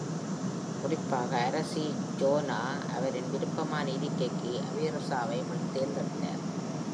குறிப்பாக அரசி Joanna I அவரின் விருப்பமான இருக்கைக்கு Aversa வை தேர்ந்தெடுத்தார்.